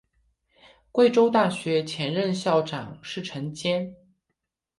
贵州大学前任校长是陈坚。